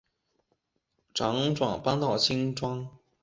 辗转搬到新庄